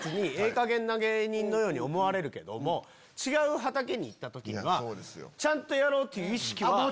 かげんな芸人のように思われるけども違う畑に行った時にはちゃんとやろうという意識は。